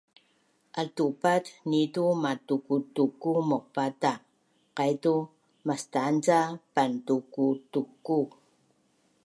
Altupat nitu matukutuku maupata’ qaitu mastan ca pantukutuku